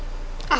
gua tuh banc dreah